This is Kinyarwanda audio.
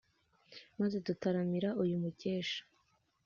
Maze dutaramire uyu mukesha!